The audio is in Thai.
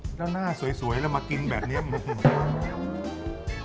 เจ้าหน้าสวยแล้วมากินแบบเนี้ยมึง